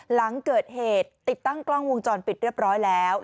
หลังเกิดเหตุติดตั้งกล้องวงจรปิดเรียบร้อยแล้ว